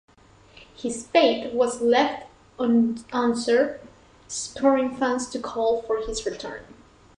His fate was left unanswered, spurring fans to call for his return.